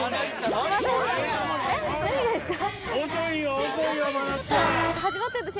えっ何がですか？